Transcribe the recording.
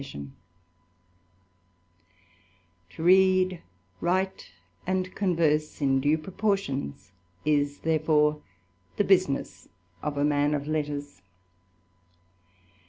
THE ADVENTURER, 233 To read, write, and converse in due proportions, is there fote, the business of a man of letters.